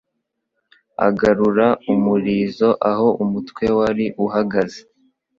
agarura umurizo aho umutwe wari uhagaze